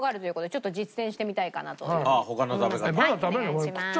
お願いします。